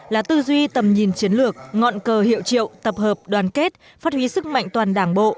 là tư duy tầm nhìn chiến lược ngọn cờ hiệu triệu tập hợp đoàn kết phát huy sức mạnh toàn đảng bộ